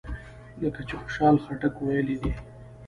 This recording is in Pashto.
لکه چې خوشحال خټک ویلي دي.